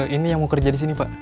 ini yang mau kerja di sini pak